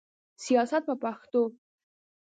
سیاست په پښتو.